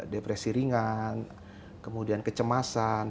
depresi ringan kemudian kecemasan